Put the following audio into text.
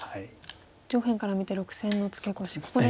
上辺から見て６線のツケコシここですね。